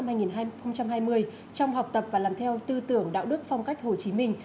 việc đẩy mạnh học tập và làm theo tư tưởng đạo đức phong cách hồ chí minh